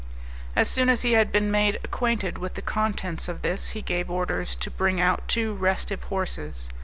As soon as he had been made acquainted with the contents of this, he gave orders to bring out two restive horses.